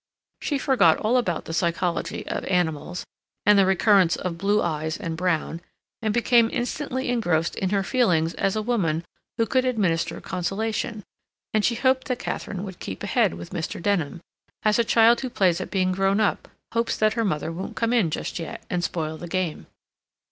She forgot all about the psychology of animals, and the recurrence of blue eyes and brown, and became instantly engrossed in her feelings as a woman who could administer consolation, and she hoped that Katharine would keep ahead with Mr. Denham, as a child who plays at being grown up hopes that her mother won't come in just yet, and spoil the game.